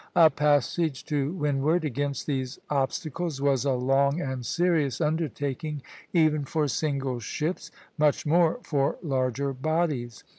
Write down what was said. A passage to windward against these obstacles was a long and serious undertaking even for single ships, much more for larger bodies.